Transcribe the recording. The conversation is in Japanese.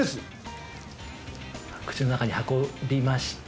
口の中に運びました。